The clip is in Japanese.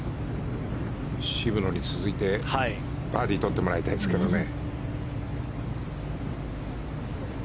渋野に続いてバーディーを取ってもらいたいですけどね。